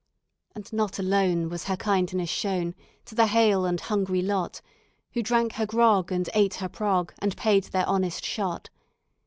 "And not alone was her kindness shown To the hale and hungry lot Who drank her grog and ate her prog, And paid their honest shot.